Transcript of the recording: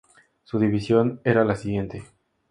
Su división era la siguiente.